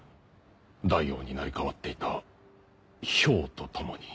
大王に成り代わっていた漂と共に。